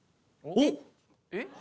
おっ！